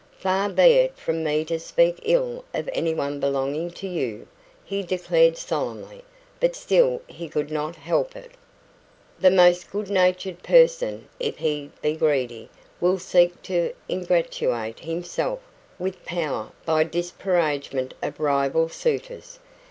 "Far be it from me to speak ill of anyone belonging to you," he declared solemnly; but still he could not help it. The most good natured person, if he be greedy, will seek to ingratiate himself with Power by disparagement of rival suitors.